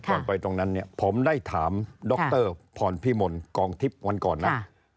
ไปตรงนั้นเนี่ยผมได้ถามดรพรพิมลกองทิพย์วันก่อนนะ